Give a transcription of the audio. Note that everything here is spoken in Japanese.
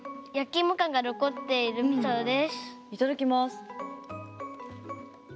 いただきます。